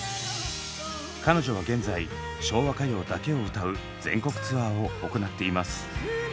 彼女は現在昭和歌謡だけを歌う全国ツアーを行っています。